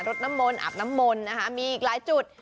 ดน้ำมนต์อาบน้ำมนต์นะคะมีอีกหลายจุด